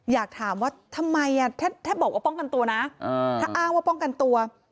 อยากถามว่าทำไมถ้าบอกว่าป้องกันตัวนะถ้าอ้างว่าป้องกันตัว